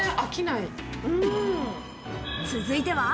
続いては。